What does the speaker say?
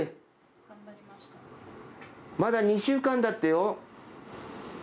まだ２週間だってよ！